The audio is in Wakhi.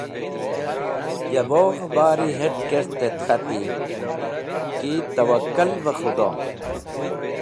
Ya bogh-e bari het̃ kert et k̃hati ki tawwakal beh Khudo.